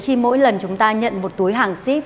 khi mỗi lần chúng ta nhận một túi hàng ship